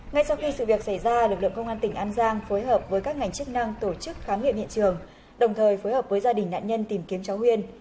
ngay sau khi sự việc xảy ra lực lượng công an tỉnh an giang phối hợp với các ngành chức năng tổ chức khám nghiệm hiện trường đồng thời phối hợp với gia đình nạn nhân tìm kiếm cháu huyên